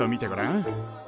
ん？